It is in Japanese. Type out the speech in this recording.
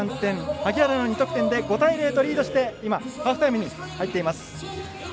萩原の２得点で５対０とリードしてハーフタイムに入っています。